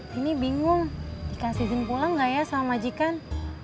tini bingung dikasih izin pulang nggak ya sama majikan